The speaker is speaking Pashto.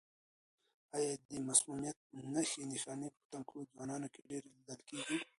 آیا د مسمومیت نښې نښانې په تنکیو ځوانانو کې ډېرې لیدل کیږي؟